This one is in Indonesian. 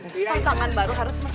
tangan baru harus masuk